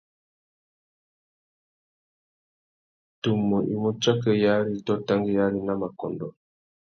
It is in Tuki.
Tumu i mú tsakéyari tô tanguéyari nà makôndõ.